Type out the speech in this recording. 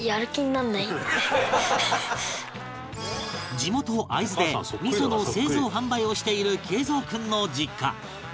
地元会津で味噌の製造販売をしている敬蔵君の実家